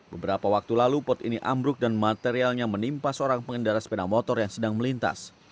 beberapa waktu lalu pot ini ambruk dan materialnya menimpa seorang pengendara sepeda motor yang sedang melintas